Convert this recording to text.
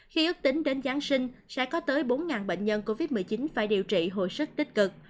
khi ước tính đến giáng sinh sẽ có tới bốn bệnh nhân covid một mươi chín phải điều trị hồi sức tích cực